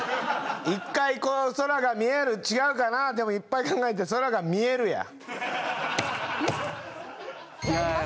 一回、空が見える、違うかな、でもいっぱい考えて、空が見えるや。